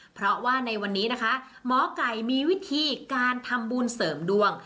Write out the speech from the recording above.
เพราะว่าในวันนี้นะคะหมอไก่มีวิธีการทำบุญเสริมดวง